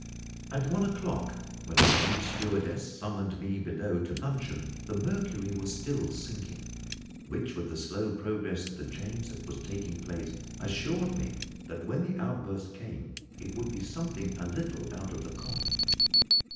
At one o'clock, when our neat stewardess summoned me below to luncheon, the mercury was still sinking, which, with the slow progress of the change that was taking place, assured me that when the outburst came, it would be something a little out of the common.